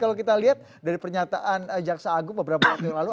kalau kita lihat dari pernyataan jaksa agung beberapa waktu yang lalu